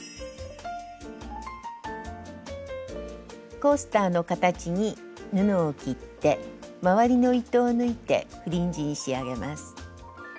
コースターの形に布を切って周りの糸を抜いてフリンジに仕上げます。